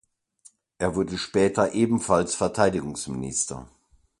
Er wurde später ebenfalls Verteidigungsminister.